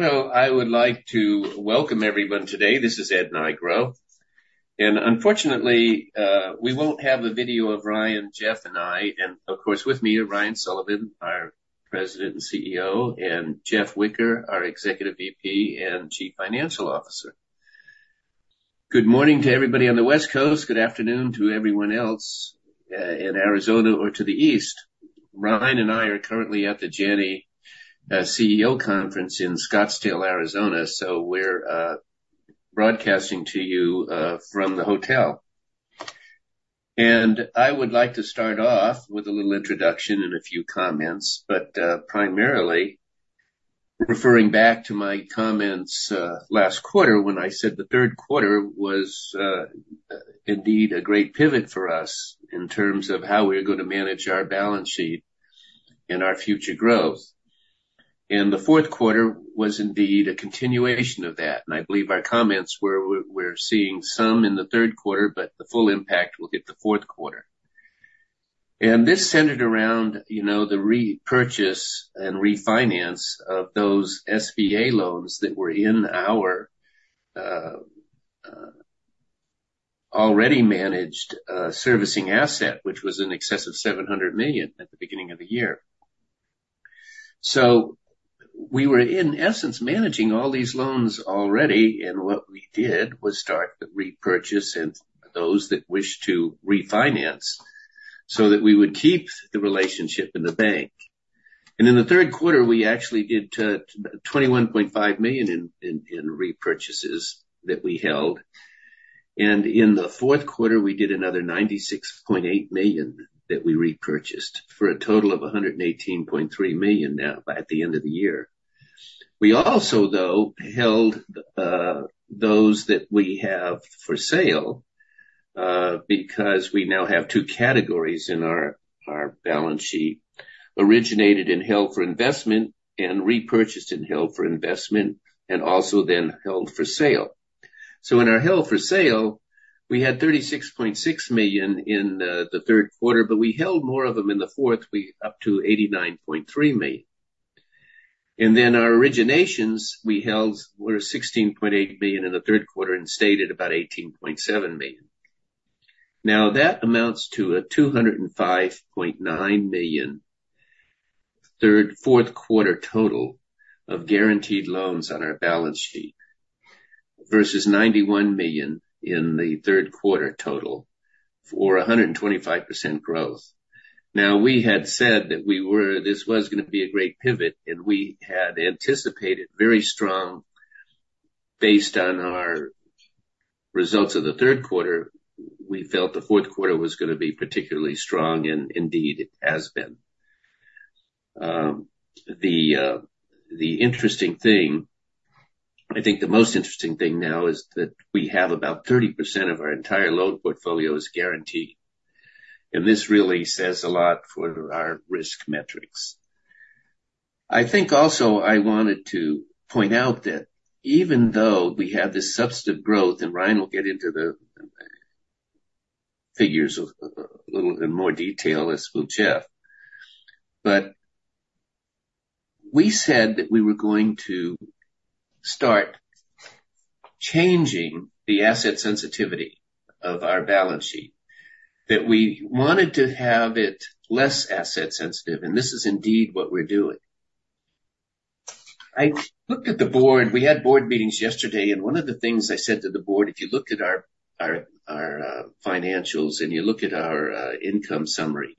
Well, I would like to welcome everyone today. This is Ed Nigro, and unfortunately, we won't have a video of Ryan, Jeff, and I. And of course, with me are Ryan Sullivan, our President and CEO, and Jeff Whicker, our Executive VP and Chief Financial Officer. Good morning to everybody on the West Coast. Good afternoon to everyone else, in Arizona or to the east. Ryan and I are currently at the Janney CEO conference in Scottsdale, Arizona, so we're broadcasting to you from the hotel. And I would like to start off with a little introduction and a few comments, but primarily referring back to my comments last quarter when I said the third quarter was indeed a great pivot for us in terms of how we're gonna manage our balance sheet and our future growth. The fourth quarter was indeed a continuation of that, and I believe our comments were we're seeing some in the third quarter, but the full impact will hit the fourth quarter. And this centered around, you know, the repurchase and refinance of those SBA loans that were in our already managed servicing asset, which was in excess of $700 million at the beginning of the year. So we were, in essence, managing all these loans already, and what we did was start to repurchase and those that wished to refinance so that we would keep the relationship in the bank. In the third quarter, we actually did $21.5 million in repurchases that we held, and in the fourth quarter, we did another $96.8 million that we repurchased for a total of $118.3 million now at the end of the year. We also, though, held those that we have for sale, because we now have two categories in our balance sheet, originated and Held for Investment and repurchased and Held for Investment, and also then Held for Sale. So in our Held for Sale, we had $36.6 million in the third quarter, but we held more of them in the fourth, up to $89.3 million. Then our originations, we held were $16.8 million in the third quarter and stayed at about $18.7 million. Now, that amounts to $205.9 million fourth quarter total of guaranteed loans on our balance sheet, versus $91 million in the third quarter total, for 125% growth. Now, we had said that this was gonna be a great pivot, and we had anticipated very strong. Based on our results of the third quarter, we felt the fourth quarter was gonna be particularly strong, and indeed, it has been. The interesting thing, I think the most interesting thing now is that we have about 30% of our entire loan portfolio is guaranteed, and this really says a lot for our risk metrics. I think also I wanted to point out that even though we have this substantive growth, and Ryan will get into the figures a little in more detail, as will Jeff, but we said that we were going to start changing the asset sensitivity of our balance sheet, that we wanted to have it less asset sensitive, and this is indeed what we're doing. I looked at the board. We had board meetings yesterday, and one of the things I said to the board, if you look at our financials and you look at our income summary,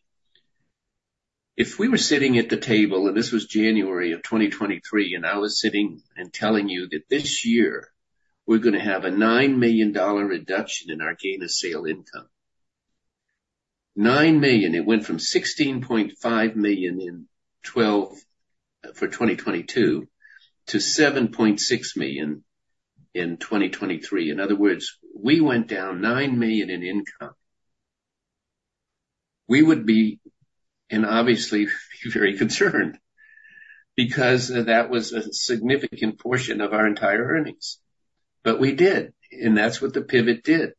if we were sitting at the table and this was January of 2023, and I was sitting and telling you that this year we're gonna have a $9 million reduction in our gain on sale income. $9 million, it went from $16.5 million for 2022 to $7.6 million in 2023. In other words, we went down $9 million in income. We would be, and obviously, very concerned because that was a significant portion of our entire earnings. But we did, and that's what the pivot did,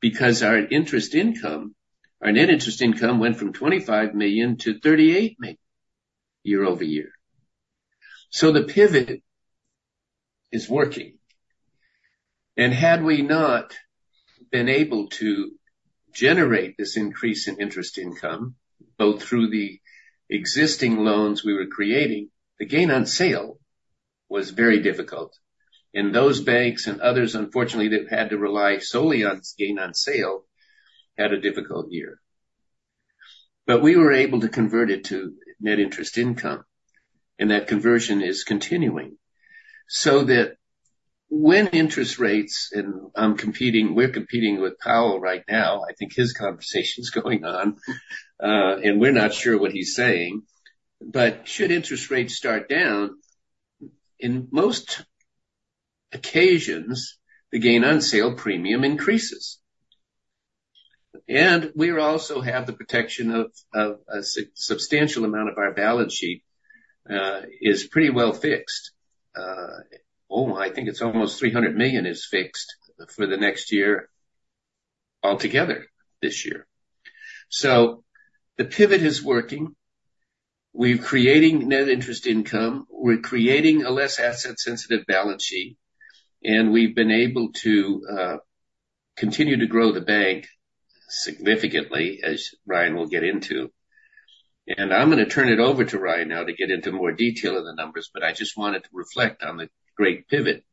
because our interest income, our net interest income went from $25 million to $38 million year-over-year. So the pivot is working. And had we not been able to generate this increase in interest income, both through the existing loans we were creating, the gain on sale was very difficult. And those banks and others, unfortunately, that had to rely solely on gain on sale, had a difficult year. But we were able to convert it to net interest income, and that conversion is continuing so that when interest rates, and I'm competing—we're competing with Powell right now, I think his conversation is going on, and we're not sure what he's saying, but should interest rates start down, in most occasions, the gain on sale premium increases. And we also have the protection of a substantial amount of our balance sheet is pretty well fixed. Oh, I think it's almost $300 million is fixed for the next year altogether this year. So the pivot is working. We're creating net interest income, we're creating a less asset-sensitive balance sheet, and we've been able to continue to grow the bank significantly, as Ryan will get into. I'm gonna turn it over to Ryan now to get into more detail of the numbers, but I just wanted to reflect on the great pivot.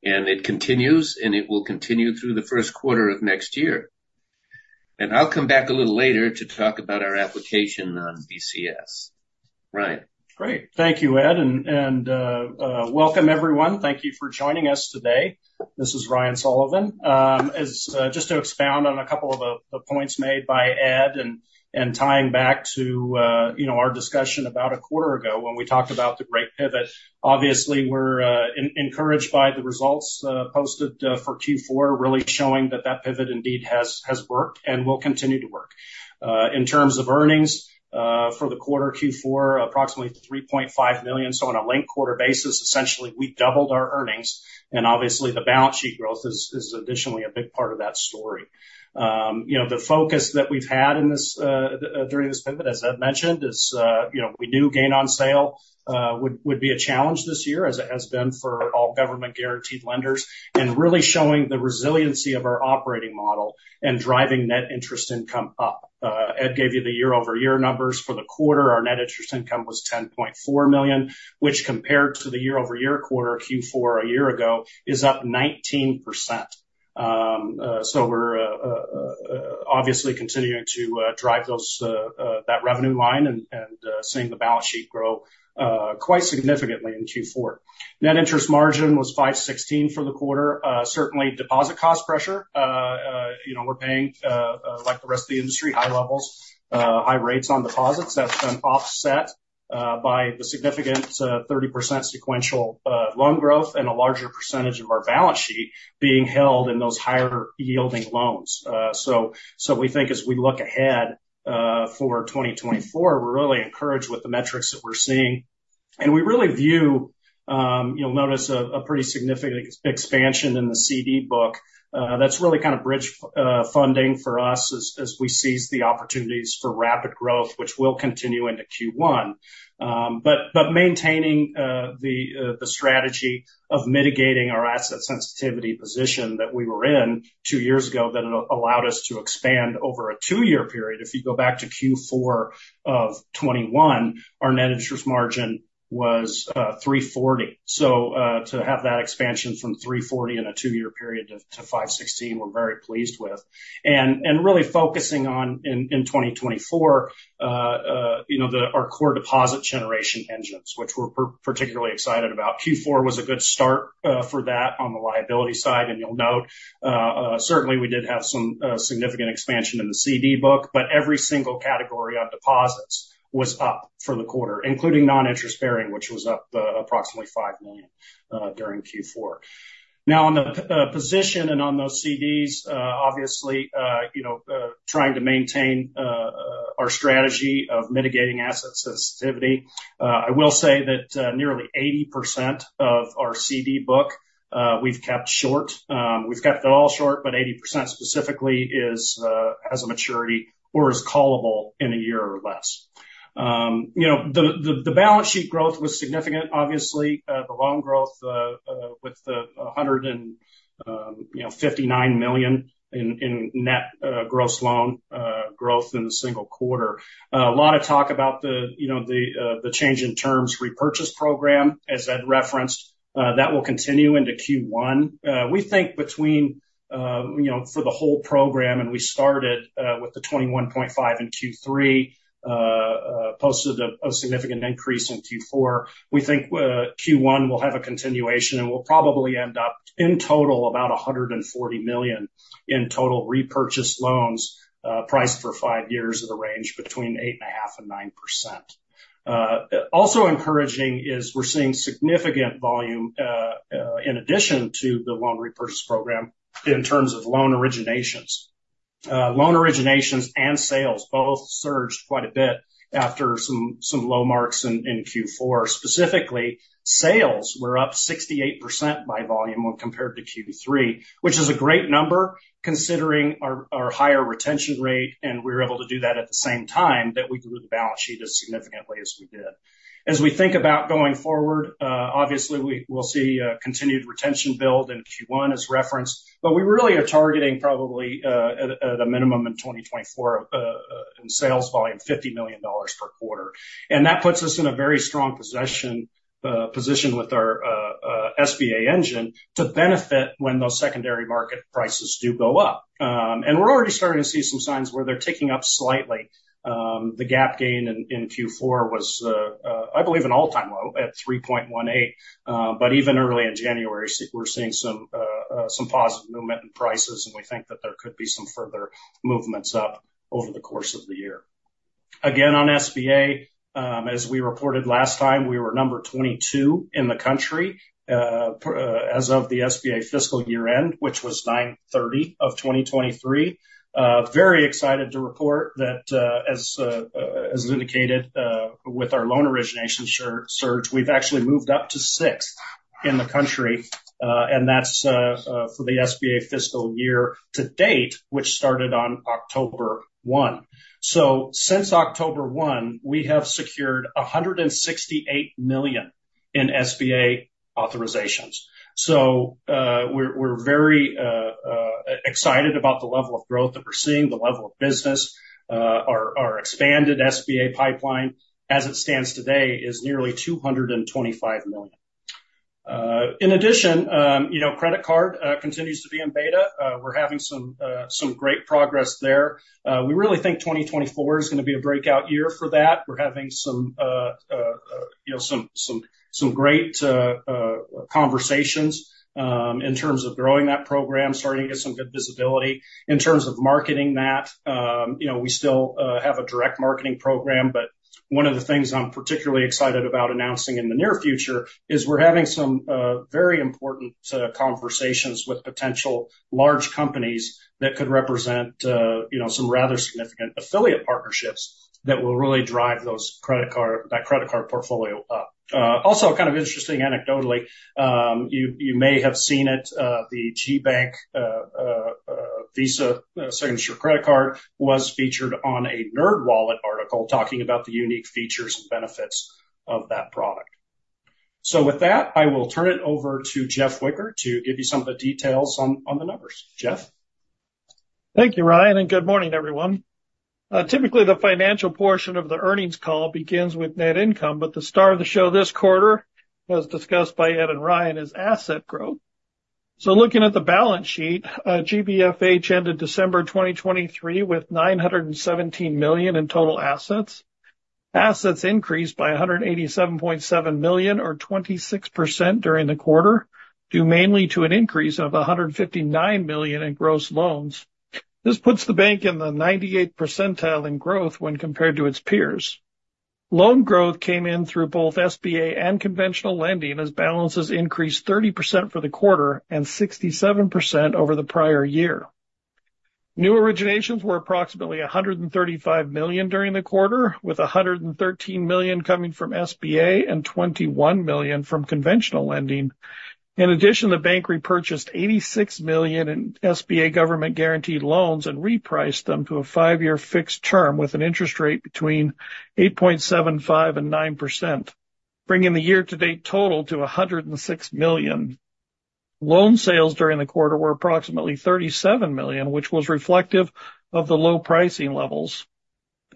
It continues, and it will continue through the first quarter of next year. I'll come back a little later to talk about our application on BCS. Ryan? Great. Thank you, Ed, and welcome, everyone. Thank you for joining us today. This is Ryan Sullivan. As just to expound on a couple of the points made by Ed and tying back to, you know, our discussion about a quarter ago when we talked about the great pivot. Obviously, we're encouraged by the results posted for Q4, really showing that that pivot indeed has worked and will continue to work. In terms of earnings for the quarter Q4, approximately $3.5 million. So on a linked quarter basis, essentially, we doubled our earnings, and obviously, the balance sheet growth is additionally a big part of that story. You know, the focus that we've had in this, during this pivot, as I've mentioned, is, you know, we do gain on sale would be a challenge this year, as it has been for all government-guaranteed lenders, and really showing the resiliency of our operating model and driving net interest income up. Ed gave you the year-over-year numbers. For the quarter, our net interest income was $10.4 million, which compared to the year-over-year quarter, Q4 a year ago, is up 19%. So we're obviously continuing to drive that revenue line and seeing the balance sheet grow quite significantly in Q4. Net interest margin was 5.16% for the quarter. Certainly deposit cost pressure, you know, we're paying, like the rest of the industry, high levels, high rates on deposits. That's been offset by the significant 30% sequential loan growth and a larger percentage of our balance sheet being held in those higher-yielding loans. So we think as we look ahead for 2024, we're really encouraged with the metrics that we're seeing. And we really view, you'll notice a pretty significant expansion in the CD book. That's really kind of bridge funding for us as we seize the opportunities for rapid growth, which will continue into Q1. But maintaining the strategy of mitigating our asset sensitivity position that we were in two years ago, that allowed us to expand over a two-year period. If you go back to Q4 of 2021, our net interest margin was 3.40%. So, to have that expansion from 3.40% in a two-year period to 5.16%, we're very pleased with. And really focusing on in 2024, you know, the our core deposit generation engines, which we're particularly excited about. Q4 was a good start for that on the liability side, and you'll note certainly we did have some significant expansion in the CD book, but every single category of deposits was up for the quarter, including non-interest bearing, which was up approximately $5 million during Q4. Now, on the position and on those CDs, obviously you know trying to maintain our strategy of mitigating asset sensitivity. I will say that, nearly 80% of our CD book, we've kept short. We've kept it all short, but 80% specifically has a maturity or is callable in a year or less. You know, the balance sheet growth was significant, obviously. The loan growth with the $159 million in net gross loan growth in the single quarter. A lot of talk about, you know, the change in terms repurchase program, as Ed referenced. That will continue into Q1. We think between, you know, for the whole program, and we started with the $21.5 million in Q3, posted a significant increase in Q4. We think Q1 will have a continuation, and we'll probably end up, in total, about $140 million in total repurchased loans, priced for five years at a range between 8.5% and 9%. Also encouraging is we're seeing significant volume in addition to the loan repurchase program in terms of loan originations. Loan originations and sales both surged quite a bit after some low marks in Q4. Specifically, sales were up 68% by volume when compared to Q3, which is a great number, considering our higher retention rate, and we're able to do that at the same time that we grew the balance sheet as significantly as we did. As we think about going forward, obviously, we'll see a continued retention build in Q1 as referenced, but we really are targeting probably, at a minimum in 2024, in sales volume, $50 million per quarter. And that puts us in a very strong position with our SBA engine to benefit when those secondary market prices do go up. And we're already starting to see some signs where they're ticking up slightly. The GAAP gain in Q4 was, I believe, an all-time low at 3.18%. But even early in January, we're seeing some positive movement in prices, and we think that there could be some further movements up over the course of the year. Again, on SBA, as we reported last time, we were number 22 in the country, as of the SBA fiscal year end, which was 9/30/2023. Very excited to report that, as indicated, with our loan origination surge, we've actually moved up to sixth in the country, and that's for the SBA fiscal year-to-date, which started on October 1. So since October 1, we have secured $168 million in SBA authorizations. So, we're very excited about the level of growth that we're seeing, the level of business. Our expanded SBA pipeline, as it stands today, is nearly $225 million. In addition, you know, credit card continues to be in beta. We're having some great progress there. We really think 2024 is gonna be a breakout year for that. We're having some, you know, some great conversations in terms of growing that program, starting to get some good visibility. In terms of marketing that, you know, we still have a direct marketing program, but one of the things I'm particularly excited about announcing in the near future is we're having some very important conversations with potential large companies that could represent, you know, some rather significant affiliate partnerships that will really drive those credit card, that credit card portfolio up. Also kind of interesting anecdotally, you may have seen it, the GBank Visa Signature credit card was featured on a NerdWallet article talking about the unique features and benefits of that product. So with that, I will turn it over to Jeff Whicker to give you some of the details on the numbers. Jeff? Thank you, Ryan, and good morning, everyone. Typically, the financial portion of the earnings call begins with net income, but the star of the show this quarter, as discussed by Ed and Ryan, is asset growth. So looking at the balance sheet, GBFH ended December 2023 with $917 million in total assets. Assets increased by $187.7 million, or 26% during the quarter, due mainly to an increase of $159 million in gross loans. This puts the bank in the 98th percentile in growth when compared to its peers. Loan growth came in through both SBA and conventional lending, as balances increased 30% for the quarter and 67% over the prior year. New originations were approximately $135 million during the quarter, with $113 million coming from SBA and $21 million from conventional lending. In addition, the bank repurchased $86 million in SBA government-guaranteed loans and repriced them to a five-year fixed term with an interest rate between 8.75% and 9%, bringing the year-to-date total to $106 million. Loan sales during the quarter were approximately $37 million, which was reflective of the low pricing levels.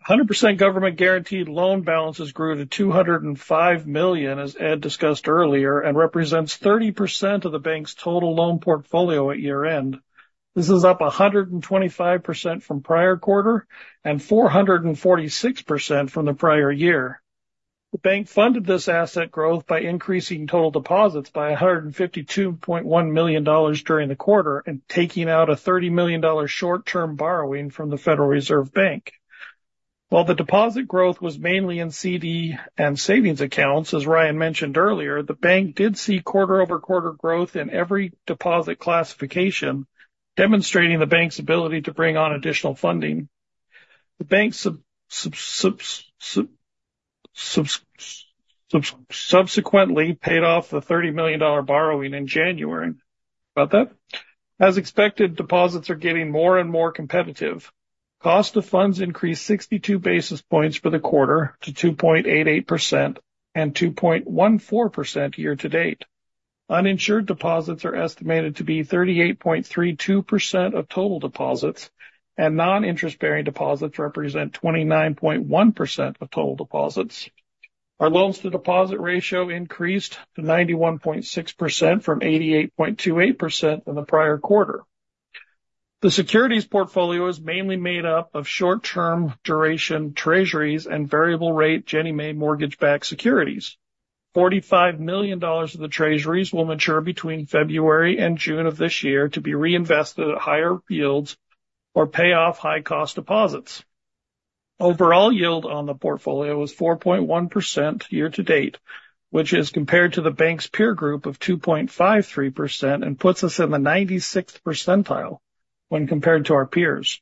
100% government-guaranteed loan balances grew to $205 million, as Ed discussed earlier, and represents 30% of the bank's total loan portfolio at year-end. This is up 125% from prior quarter and 446% from the prior year. The bank funded this asset growth by increasing total deposits by $152.1 million during the quarter and taking out a $30 million short-term borrowing from the Federal Reserve Bank. While the deposit growth was mainly in CD and savings accounts, as Ryan mentioned earlier, the bank did see quarter-over-quarter growth in every deposit classification, demonstrating the bank's ability to bring on additional funding. The bank subsequently paid off the $30 million borrowing in January. How about that? As expected, deposits are getting more and more competitive. Cost of funds increased 62 basis points for the quarter to 2.88% and 2.14% year-to-date. Uninsured deposits are estimated to be 38.32% of total deposits, and non-interest-bearing deposits represent 29.1% of total deposits. Our loans to deposit ratio increased to 91.6% from 88.28% in the prior quarter. The securities portfolio is mainly made up of short-term duration Treasuries and variable rate Ginnie Mae mortgage-backed securities. $45 million of the Treasuries will mature between February and June of this year to be reinvested at higher yields or pay off high-cost deposits. Overall yield on the portfolio is 4.1% year-to-date, which is compared to the bank's peer group of 2.53% and puts us in the 96th percentile when compared to our peers.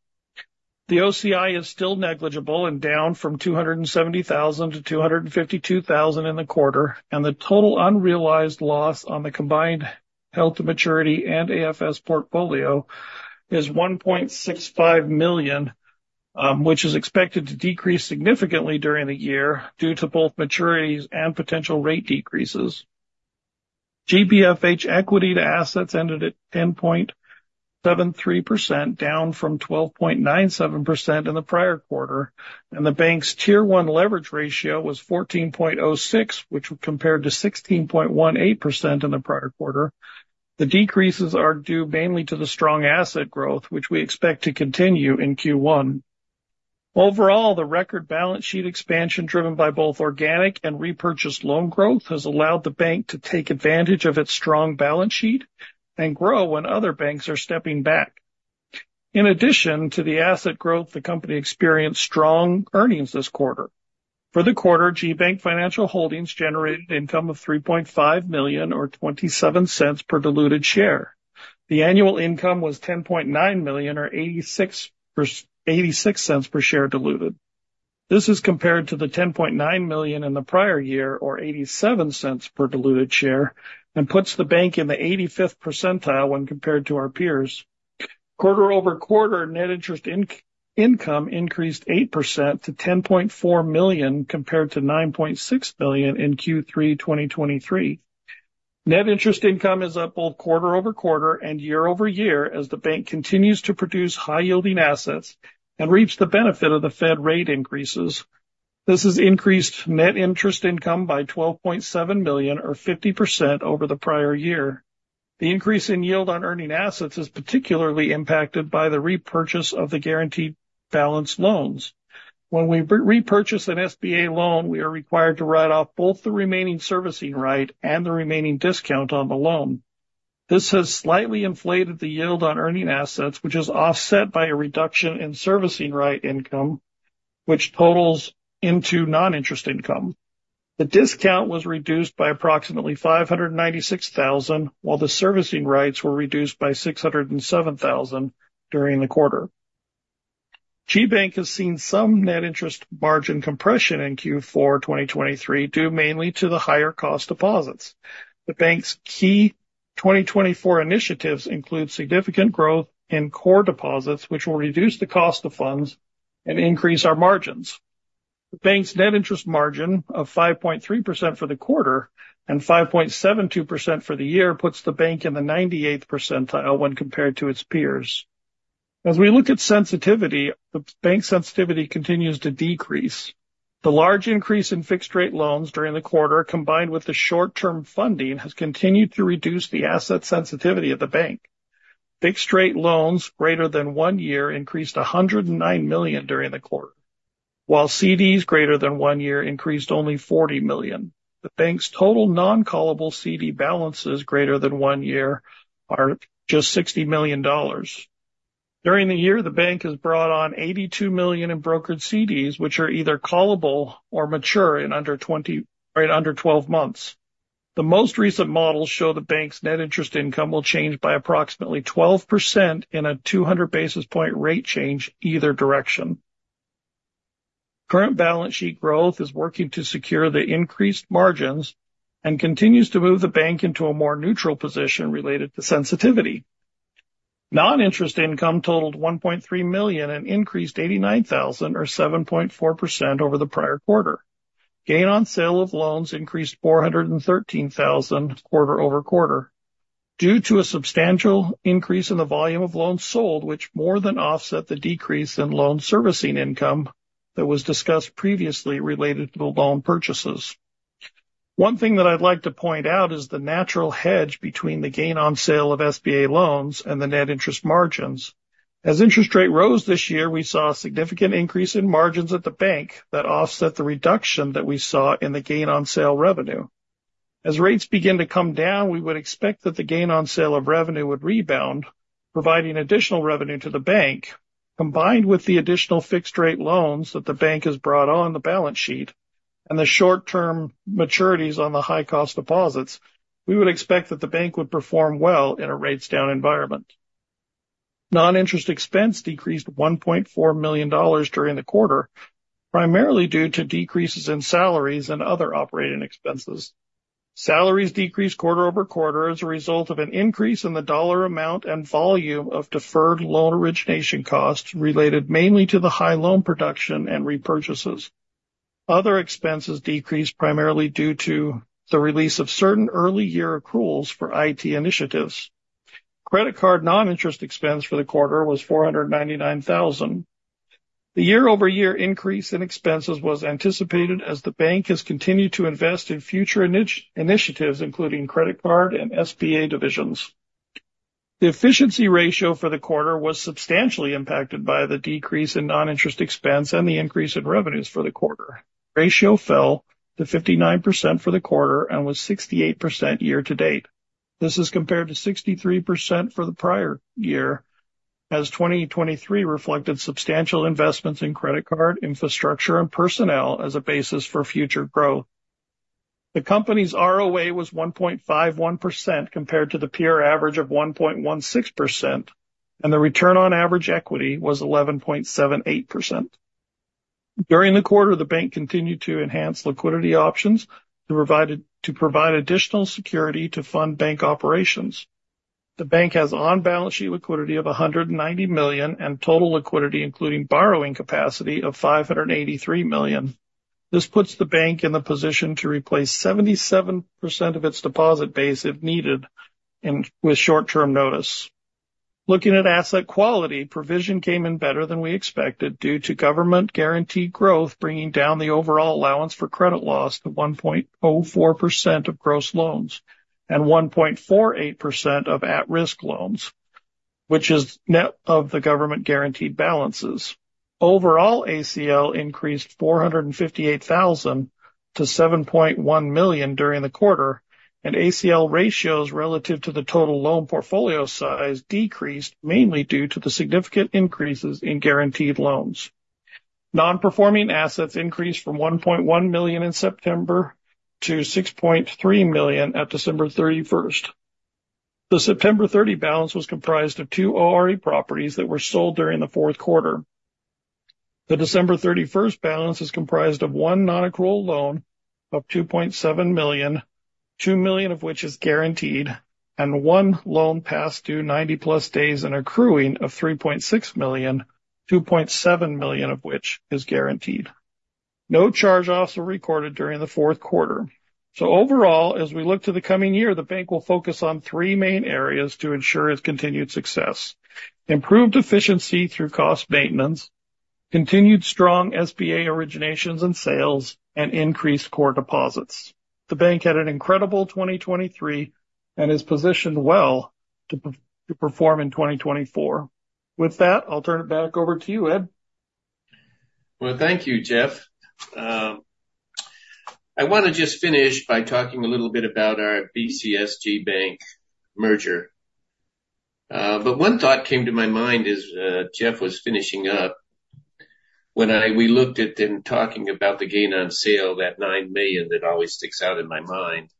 The OCI is still negligible and down from $270,000 to $252,000 in the quarter, and the total unrealized loss on the combined Held to Maturity and AFS portfolio is $1.65 million, which is expected to decrease significantly during the year due to both maturities and potential rate decreases. GBFH equity to assets ended at 10.73%, down from 12.97% in the prior quarter, and the bank's Tier One leverage ratio was 14.06%, which compared to 16.18% in the prior quarter. The decreases are due mainly to the strong asset growth, which we expect to continue in Q1. Overall, the record balance sheet expansion, driven by both organic and repurchased loan growth, has allowed the bank to take advantage of its strong balance sheet and grow when other banks are stepping back. In addition to the asset growth, the company experienced strong earnings this quarter. For the quarter, GBank Financial Holdings generated income of $3.5 million, or $0.27 per diluted share. The annual income was $10.9 million or $0.86 per share diluted. This is compared to the $10.9 million in the prior year, or $0.87 per diluted share, and puts the bank in the 85th percentile when compared to our peers. Quarter-over-quarter, net interest income increased 8% to $10.4 million, compared to $9.6 million in Q3 2023. Net interest income is up both quarter-over-quarter and year-over-year as the bank continues to produce high-yielding assets and reaps the benefit of the Fed rate increases. This has increased net interest income by $12.7 million or 50% over the prior year. The increase in yield on earning assets is particularly impacted by the repurchase of the guaranteed balance loans. When we repurchase an SBA loan, we are required to write off both the remaining servicing right and the remaining discount on the loan. This has slightly inflated the yield on earning assets, which is offset by a reduction in servicing right income, which totals into non-interest income. The discount was reduced by approximately $596,000, while the servicing rights were reduced by $607,000 during the quarter. GBank has seen some net interest margin compression in Q4 2023, due mainly to the higher cost deposits. The bank's key 2024 initiatives include significant growth in core deposits, which will reduce the cost of funds and increase our margins. The bank's net interest margin of 5.3% for the quarter and 5.72% for the year puts the bank in the 98th percentile when compared to its peers. As we look at sensitivity, the bank's sensitivity continues to decrease. The large increase in fixed rate loans during the quarter, combined with the short-term funding, has continued to reduce the asset sensitivity of the bank. Fixed rate loans greater than one year increased $109 million during the quarter, while CDs greater than one year increased only $40 million. The bank's total non-callable CD balances greater than one year are just $60 million. During the year, the bank has brought on $82 million in brokered CDs, which are either callable or mature in under 20 -- in under 12 months. The most recent models show the bank's net interest income will change by approximately 12% in a 200 basis point rate change either direction. Current balance sheet growth is working to secure the increased margins and continues to move the bank into a more neutral position related to sensitivity. Non-interest income totaled $1.3 million and increased $89,000 or 7.4% over the prior quarter. Gain on sale of loans increased $413,000 quarter-over-quarter, due to a substantial increase in the volume of loans sold, which more than offset the decrease in loan servicing income that was discussed previously related to the loan purchases. One thing that I'd like to point out is the natural hedge between the gain on sale of SBA loans and the net interest margins. As interest rate rose this year, we saw a significant increase in margins at the bank that offset the reduction that we saw in the gain on sale revenue. As rates begin to come down, we would expect that the gain on sale of revenue would rebound, providing additional revenue to the bank. Combined with the additional fixed rate loans that the bank has brought on the balance sheet and the short-term maturities on the high cost deposits, we would expect that the bank would perform well in a rates down environment. Non-interest expense decreased $1.4 million during the quarter, primarily due to decreases in salaries and other operating expenses. Salaries decreased quarter-over-quarter as a result of an increase in the dollar amount and volume of deferred loan origination costs related mainly to the high loan production and repurchases. Other expenses decreased primarily due to the release of certain early year accruals for IT initiatives. Credit card non-interest expense for the quarter was $499,000. The year-over-year increase in expenses was anticipated as the bank has continued to invest in future initiatives, including credit card and SBA divisions. The efficiency ratio for the quarter was substantially impacted by the decrease in non-interest expense and the increase in revenues for the quarter. Ratio fell to 59% for the quarter and was 68% year-to-date. This is compared to 63% for the prior year, as 2023 reflected substantial investments in credit card, infrastructure, and personnel as a basis for future growth. The company's ROA was 1.51%, compared to the peer average of 1.16%, and the return on average equity was 11.78%. During the quarter, the bank continued to enhance liquidity options to provide additional security to fund bank operations. The bank has on-balance sheet liquidity of $190 million and total liquidity, including borrowing capacity of $583 million. This puts the bank in the position to replace 77% of its deposit base, if needed, and with short-term notice. Looking at asset quality, provision came in better than we expected due to government guaranteed growth, bringing down the overall allowance for credit loss to 1.04% of gross loans and 1.48% of at-risk loans, which is net of the government guaranteed balances. Overall, ACL increased $458,000 to $7.1 million during the quarter, and ACL ratios relative to the total loan portfolio size decreased mainly due to the significant increases in guaranteed loans. Non-performing assets increased from $1.1 million in September to $6.3 million at December 31st. The September 30 balance was comprised of two ORE properties that were sold during the fourth quarter. The December 31st balance is comprised of one nonaccrual loan of $2.7 million, $2 million of which is guaranteed, and one loan past due 90+ days and accruing of $3.6 million, $2.7 million of which is guaranteed. No charge-offs were recorded during the fourth quarter. So overall, as we look to the coming year, the bank will focus on three main areas to ensure its continued success. Improved efficiency through cost maintenance, continued strong SBA originations and sales, and increased core deposits. The bank had an incredible 2023 and is positioned well to perform in 2024. With that, I'll turn it back over to you, Ed. Well, thank you, Jeff. I want to just finish by talking a little bit about our BCS GBank merger. But one thought came to my mind as Jeff was finishing up. When we looked at and talking about the gain on sale, that $9 million, that always sticks out in my mind.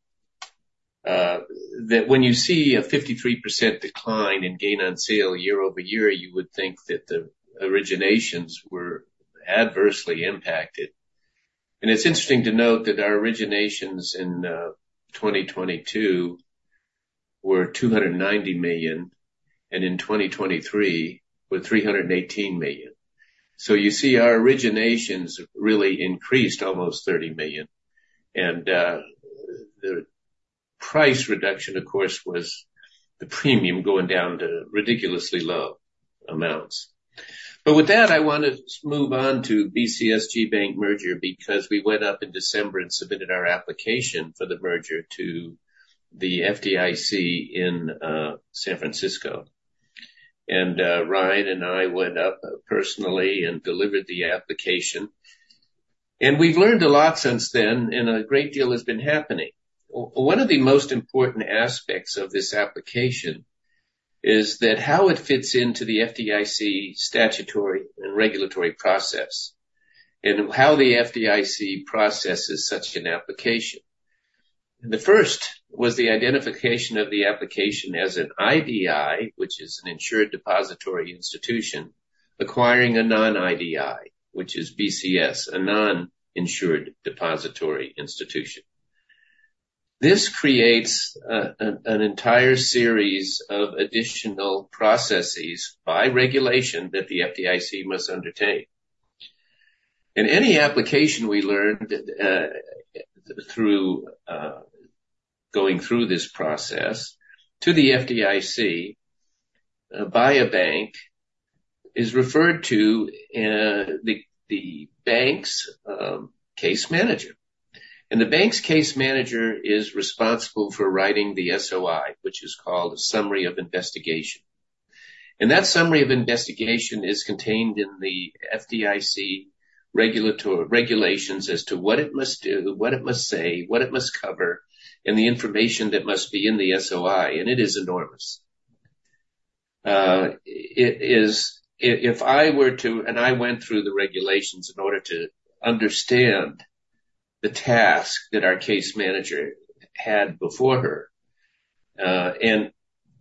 That when you see a 53% decline in gain on sale year-over-year, you would think that the originations were adversely impacted. And it's interesting to note that our originations in 2022 were $290 million, and in 2023 were $318 million. So you see our originations really increased almost $30 million. And the price reduction, of course, was the premium going down to ridiculously low amounts. But with that, I want to move on to BCS GBank merger, because we went up in December and submitted our application for the merger to the FDIC in San Francisco. Ryan and I went up personally and delivered the application, and we've learned a lot since then, and a great deal has been happening. One of the most important aspects of this application is that how it fits into the FDIC statutory and regulatory process, and how the FDIC processes such an application. The first was the identification of the application as an IDI, which is an Insured Depository Institution, acquiring a non-IDI, which is BCS, a non-insured depository institution. This creates an entire series of additional processes by regulation that the FDIC must undertake. In any application we learned through going through this process to the FDIC by a bank is referred to the bank's case manager. The bank's case manager is responsible for writing the SOI, which is called a Summary of Investigation. That Summary of Investigation is contained in the FDIC regulatory regulations as to what it must do, what it must say, what it must cover, and the information that must be in the SOI, and it is enormous. I went through the regulations in order to understand the task that our case manager had before her.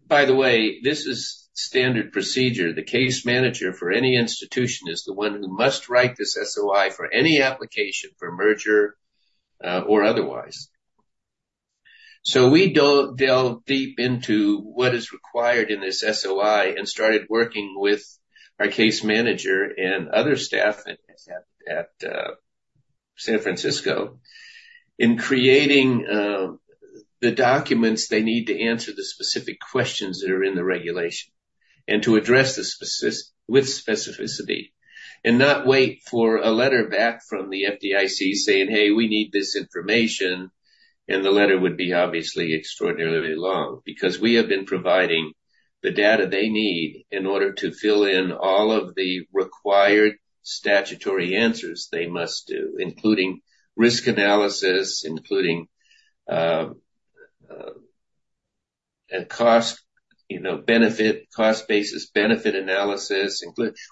By the way, this is standard procedure. The case manager for any institution is the one who must write this SOI for any application for merger or otherwise. So we delved deep into what is required in this SOI and started working with our case manager and other staff at San Francisco in creating the documents they need to answer the specific questions that are in the regulation, and to address with specificity, and not wait for a letter back from the FDIC saying, "Hey, we need this information." And the letter would be obviously extraordinarily long because we have been providing the data they need in order to fill in all of the required statutory answers they must do, including risk analysis, including a cost, you know, benefit, cost basis, benefit analysis,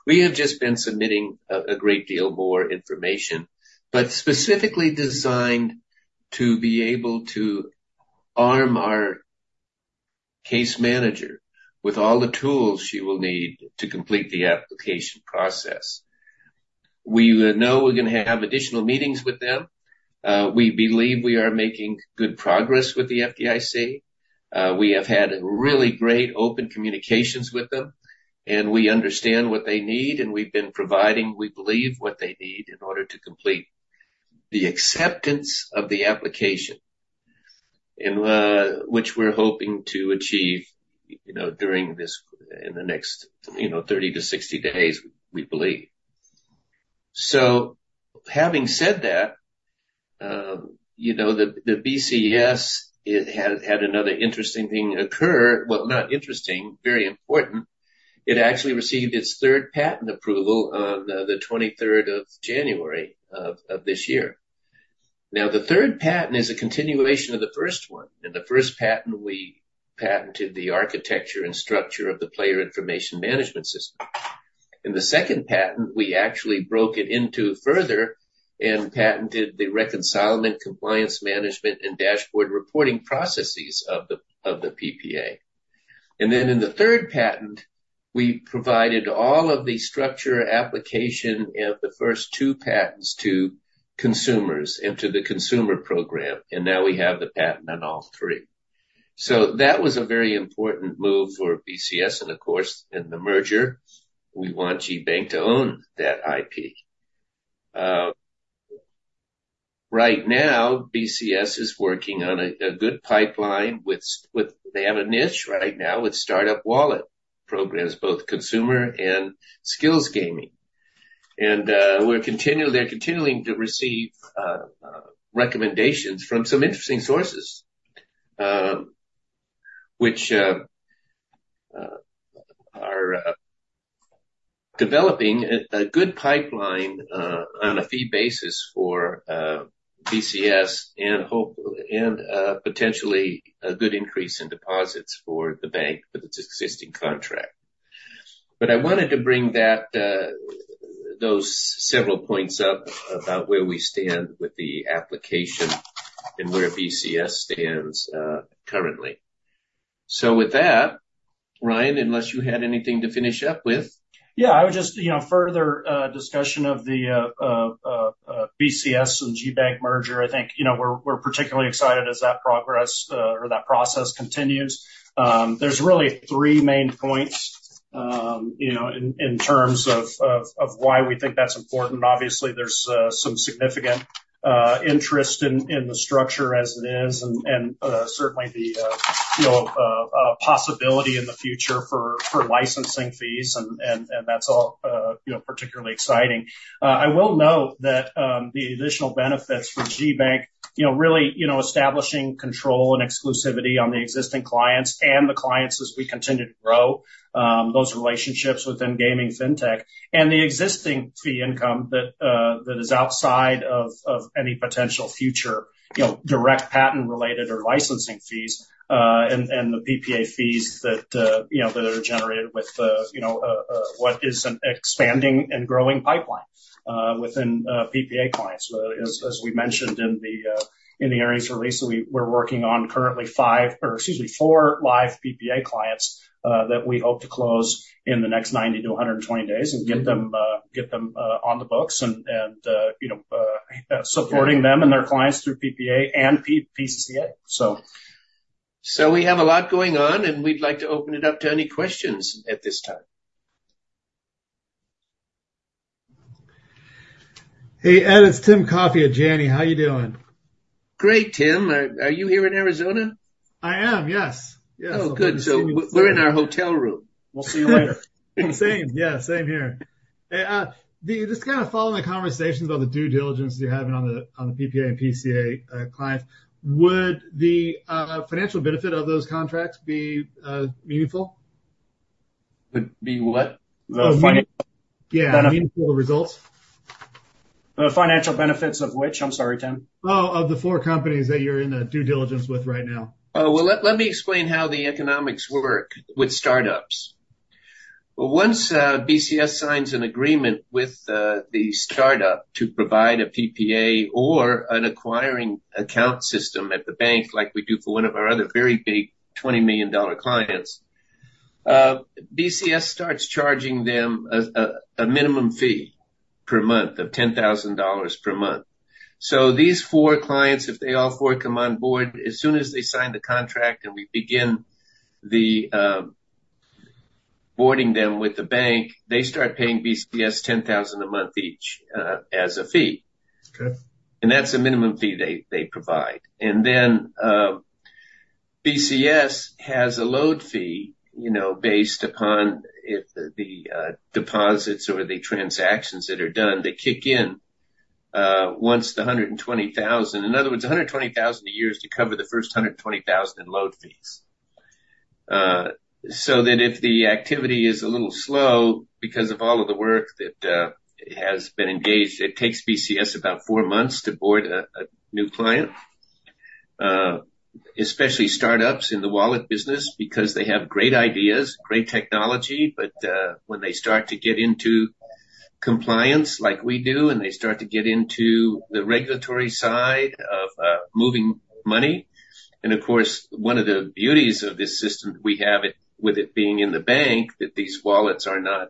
we have just been submitting a great deal more information, but specifically designed to be able to arm our case manager with all the tools she will need to complete the application process. We know we're gonna have additional meetings with them. We believe we are making good progress with the FDIC. We have had really great open communications with them, and we understand what they need, and we've been providing, we believe, what they need in order to complete the acceptance of the application, and which we're hoping to achieve, you know, in the next, you know, 30-60 days, we believe. So having said that, you know, the BCS, it had another interesting thing occur. Well, not interesting, very important. It actually received its third patent approval on the 23rd of January of this year. Now, the third patent is a continuation of the first one. In the first patent, we patented the architecture and structure of the player information management system. In the second patent, we actually broke it into further and patented the reconciliation, compliance, management, and dashboard reporting processes of the PPA. And then in the third patent, we provided all of the structure, application of the first two patents to consumers and to the consumer program, and now we have the patent on all three... So that was a very important move for BCS, and of course, in the merger, we want GBank to own that IP. Right now, BCS is working on a good pipeline; they have a niche right now with startup wallet programs, both consumer and skills gaming. And we're continually—they're continuing to receive recommendations from some interesting sources, which are developing a good pipeline on a fee basis for BCS and hope—and potentially a good increase in deposits for the bank with its existing contract. But I wanted to bring that, those several points up about where we stand with the application and where BCS stands, currently. So with that, Ryan, unless you had anything to finish up with. Yeah, I would just, you know, further discussion of the BCS and GBank merger. I think, you know, we're particularly excited as that progress or that process continues. There's really three main points, you know, in terms of why we think that's important. Obviously, there's some significant interest in the structure as it is, and certainly the possibility in the future for licensing fees, and that's all particularly exciting. I will note that the additional benefits for GBank, you know, really establishing control and exclusivity on the existing clients and the clients as we continue to grow those relationships within Gaming, FinTech. The existing fee income that is outside of any potential future, you know, direct patent-related or licensing fees, and the PPA fees that, you know, that are generated with the, you know, what is an expanding and growing pipeline within PPA clients. As we mentioned in the earnings release, we're working on currently five or excuse me, four live PPA clients that we hope to close in the next 90-120 days and get them on the books and, you know, supporting them and their clients through PPA and PCA. So- So we have a lot going on, and we'd like to open it up to any questions at this time. Hey, Ed, it's Tim Coffey at Janney. How are you doing? Great, Tim. Are you here in Arizona? I am, yes. Yes. Oh, good. We're in our hotel room. We'll see you later. Same. Yeah, same here. Hey, just kind of following the conversation about the due diligence you're having on the PPA and PCA clients. Would the financial benefit of those contracts be meaningful? Would be what? The- The financial- Yeah, meaningful results. The financial benefits of which? I'm sorry, Tim. Oh, of the four companies that you're in a due diligence with right now. Oh, well, let me explain how the economics work with startups. Once, BCS signs an agreement with the startup to provide a PPA or an acquiring account system at the bank, like we do for one of our other very big $20 million clients, BCS starts charging them a minimum fee per month of $10,000 per month. So these four clients, if they all four come on board, as soon as they sign the contract and we begin the boarding them with the bank, they start paying BCS $10,000 a month each, as a fee. Okay. That's a minimum fee they provide. And then, BCS has a load fee, you know, based upon if the deposits or the transactions that are done, they kick in once the $120,000. In other words, $120,000 a year is to cover the first $120,000 in load fees. So then if the activity is a little slow, because of all of the work that has been engaged, it takes BCS about four months to board a new client, especially startups in the wallet business, because they have great ideas, great technology, but when they start to get into compliance like we do, and they start to get into the regulatory side of moving money. And of course, one of the beauties of this system, we have it, with it being in the bank, that these wallets are not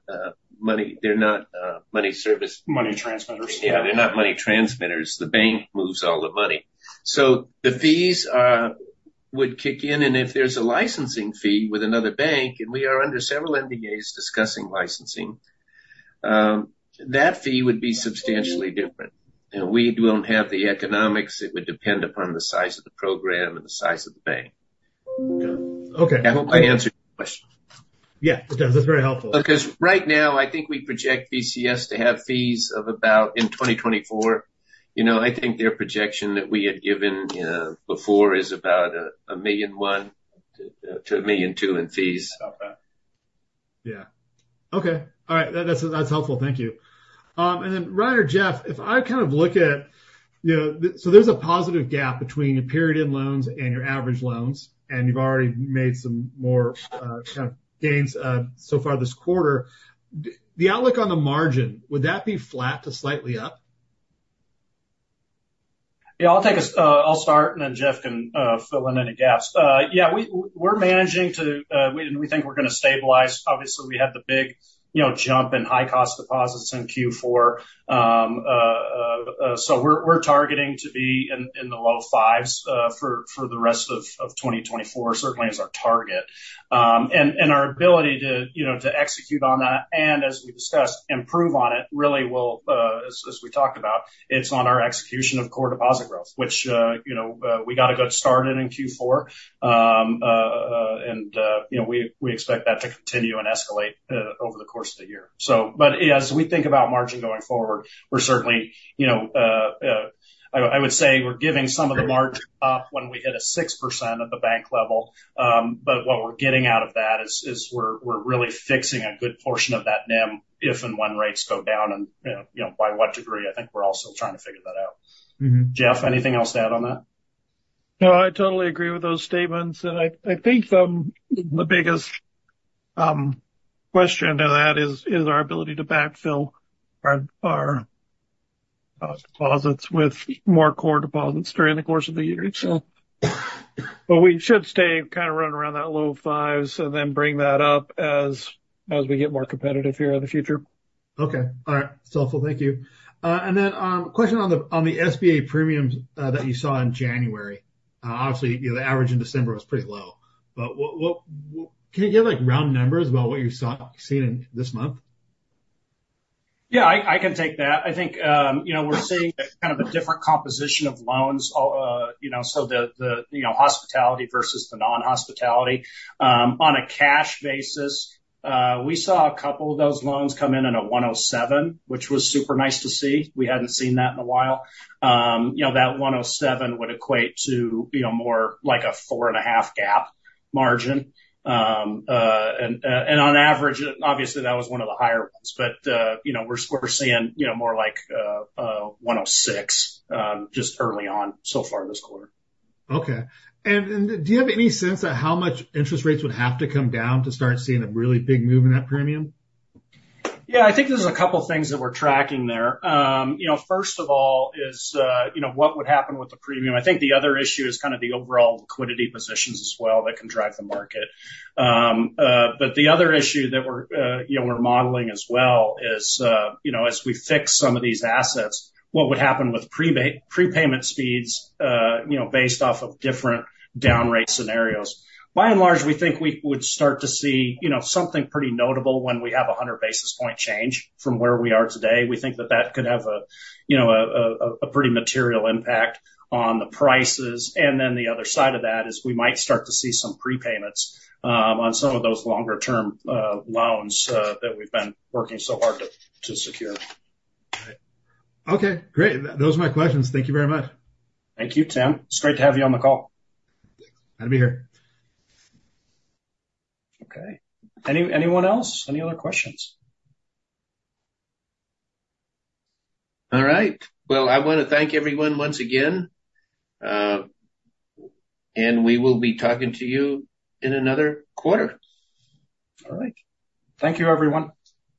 money - they're not money service- Money transmitters. Yeah, they're not money transmitters. The bank moves all the money. So the fees would kick in, and if there's a licensing fee with another bank, and we are under several NDAs discussing licensing, that fee would be substantially different. You know, we don't have the economics. It would depend upon the size of the program and the size of the bank. Okay. I hope I answered your question. Yeah, it does. That's very helpful. Because right now, I think we project BCS to have fees of about in 2024, you know, I think their projection that we had given before is about $1.1 million-$1.2 million in fees. About that. Yeah. Okay. All right, that's, that's helpful. Thank you. And then Ryan or Jeff, if I kind of look at, you know, so there's a positive gap between your period end loans and your average loans, and you've already made some more, kind of gains so far this quarter. The outlook on the margin, would that be flat to slightly up? Yeah, I'll start, and then Jeff can fill in any gaps. Yeah, we're managing to, and we think we're going to stabilize. Obviously, we had the big, you know, jump in high-cost deposits in Q4, so we're targeting to be in the low fives for the rest of 2024, certainly as our target. And our ability to, you know, to execute on that, and as we discussed, improve on it, really will, as we talked about, it's on our execution of core deposit growth, which, you know, we got a good start in Q4. And, you know, we expect that to continue and escalate over the course of the year. But as we think about margin going forward, we're certainly, you know, I would say we're giving some of the margin up when we hit 6% at the bank level. But what we're getting out of that is we're really fixing a good portion of that NIM, if and when rates go down and, you know, by what degree, I think we're also trying to figure that out. Mm-hmm. Jeff, anything else to add on that? No, I totally agree with those statements. And I think the biggest question to that is our ability to backfill our deposits with more core deposits during the course of the year. So but we should stay kind of running around that low fives and then bring that up as we get more competitive here in the future. Okay. All right. Useful. Thank you. And then, question on the SBA premiums that you saw in January. Obviously, you know, the average in December was pretty low, but what can you give, like, round numbers about what you've seen in this month? Yeah, I can take that. I think, you know, we're seeing kind of a different composition of loans, you know, so the you know, hospitality versus the non-hospitality. On a cash basis, we saw a couple of those loans come in at a 107, which was super nice to see. We hadn't seen that in a while. You know, that 107 would equate to, you know, more like a 4.5 GAAP margin. And on average, obviously, that was one of the higher ones. But, you know, we're seeing, you know, more like, a 106, just early on so far this quarter. Okay. And do you have any sense of how much interest rates would have to come down to start seeing a really big move in that premium? Yeah, I think there's a couple things that we're tracking there. You know, first of all is, you know, what would happen with the premium? I think the other issue is kind of the overall liquidity positions as well, that can drive the market. But the other issue that we're, you know, we're modeling as well is, you know, as we fix some of these assets, what would happen with prepayment speeds, you know, based off of different down rate scenarios? By and large, we think we would start to see, you know, something pretty notable when we have a 100 basis point change from where we are today. We think that that could have a, you know, pretty material impact on the prices. And then the other side of that is we might start to see some prepayments on some of those longer-term loans that we've been working so hard to secure. Right. Okay, great. Those are my questions. Thank you very much. Thank you, Tim. It's great to have you on the call. Glad to be here. Okay. Anyone else? Any other questions? All right. Well, I want to thank everyone once again, and we will be talking to you in another quarter. All right. Thank you, everyone.